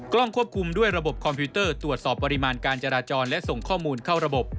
ควบคุมด้วยระบบคอมพิวเตอร์ตรวจสอบปริมาณการจราจรและส่งข้อมูลเข้าระบบ